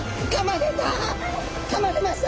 かまれました！